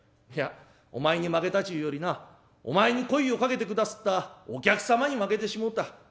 いやお前に負けたち言うよりなお前に声をかけてくだすったお客様に負けてしもうた。